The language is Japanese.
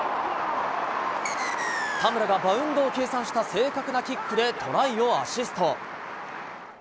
田村がバウンドを計算した正確なキックでトライをアシスト。